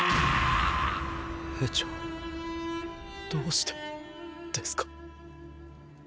兵長どうしてですか？